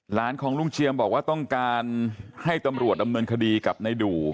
หลานของลุงเชียมบอกว่าต้องการให้ตำรวจดำเนินคดีกับในดู